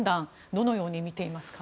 どのようにみていますか？